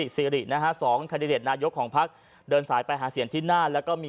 เสียงเกราะนี้